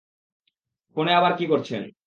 ফোনে আবার কি করছেন?